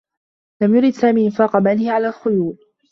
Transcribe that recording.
لم يرد سامي إنفاق ماله على الخيول.